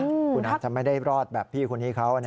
คุณอาจจะไม่ได้รอดแบบพี่คนนี้เขา